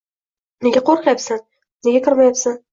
Nega qo`rqyapsan, nega kirmayapsan